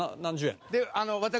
私